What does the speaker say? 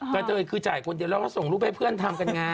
กระเทยคือจ่ายคนเดียวแล้วก็ส่งรูปให้เพื่อนทำกันไง